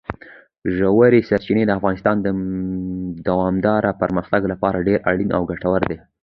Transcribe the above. ژورې سرچینې د افغانستان د دوامداره پرمختګ لپاره ډېر اړین او ګټور دي.